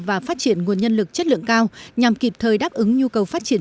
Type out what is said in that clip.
và phát triển nguồn nhân lực chất lượng cao nhằm kịp thời đáp ứng nhu cầu phát triển